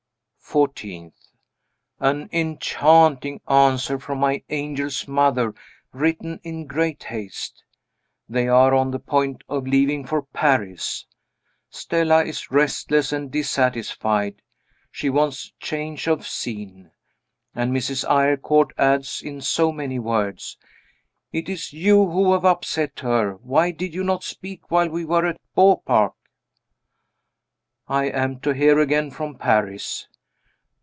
14th. An enchanting answer from my angel's mother, written in great haste. They are on the point of leaving for Paris. Stella is restless and dissatisfied; she wants change of scene; and Mrs. Eyrecourt adds, in so many words "It is you who have upset her; why did you not speak while we were at Beaupark?" I am to hear again from Paris.